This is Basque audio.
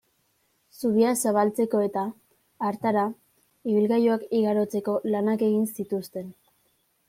Zubia zabaltzeko eta, hartara, ibilgailuak igarotzeko lanak egin zituzten.